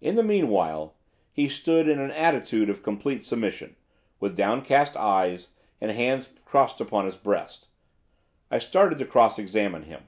In the meanwhile he stood in an attitude of complete submission, with downcast eyes, and hands crossed upon his breast. I started to cross examine him.